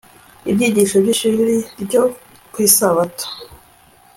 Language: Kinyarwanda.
ibyigisho byishuri ryo kwisabato